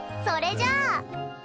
それじゃあ。